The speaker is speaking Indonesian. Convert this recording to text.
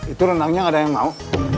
itu renangnya nggak ada yang mau